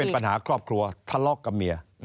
ปัญหาครอบครัวทะเลาะกับเมีย